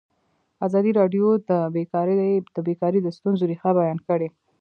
ازادي راډیو د بیکاري د ستونزو رېښه بیان کړې.